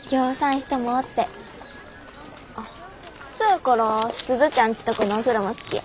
あっそやから鈴ちゃんちとこのお風呂も好きや。